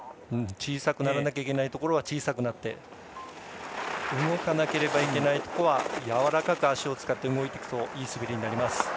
小さくならないといけないところは小さくなって動かなければいけないところはやわらかく足を使って動いていくといい滑りになります。